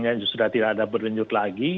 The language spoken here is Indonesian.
jantungnya sudah tidak ada berhenti lagi